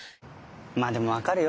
まぁでも分かるよ